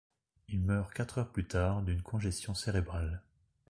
Il meurt quatre heures plus tard d'une congestion cérébrale.